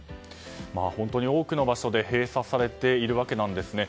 本当に多くの場所で閉鎖されているわけなんですね。